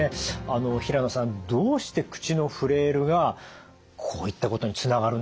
あの平野さんどうして口のフレイルがこういったことにつながるんですか？